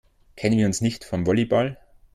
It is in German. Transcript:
Kennen wir uns nicht vom Volleyball?